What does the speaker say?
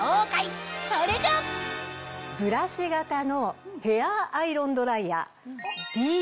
それがブラシ形のヘアアイロンドライヤー。